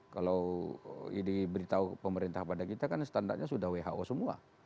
kalau diberitahu pemerintah pada kita kan standarnya sudah who semua